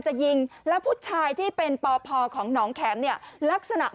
คือเอาอย่างนี้คุณผู้ชมในคลิปเนี่ยบางคนไม่ได้ดูตั้งแต่ต้นเนี่ยอาจจะงงนะฮะ